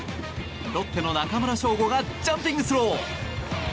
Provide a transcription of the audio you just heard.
ロッテの中村奨吾がジャンピングスロー。